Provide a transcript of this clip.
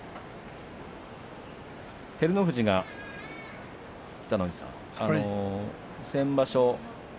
照ノ富士が先場所